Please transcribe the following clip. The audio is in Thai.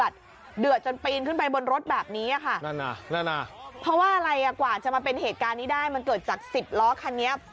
ก็ดันสุดท้ายต่อเป็นเรื่องสุดท้าย